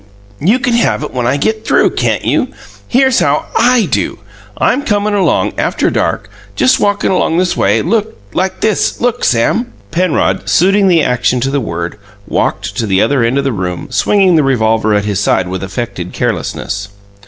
You can have it when I get through, can't you? Here's how I do: I'm comin' along after dark, just walkin' along this way like this look, Sam!" Penrod, suiting the action to the word, walked to the other end of the room, swinging the revolver at his side with affected carelessness.